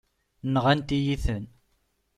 Nɣant-iyi-ten.